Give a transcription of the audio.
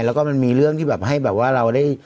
แล้วก็มันมีเรื่องที่แบบให้แบบว่าเราได้